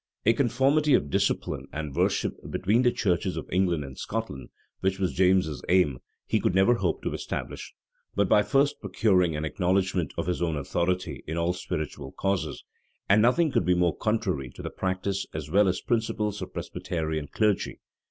A conformity of discipline and worship between the churches of England and Scotland, which was James's aim, he never could hope to establish, but by first procuring an acknowledgment of his own authority in all spiritual causes; and nothing could be more contrary to the practice as well as principles of the Presbyterian clergy.